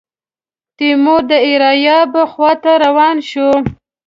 تیمور د ایریاب خواته روان شو.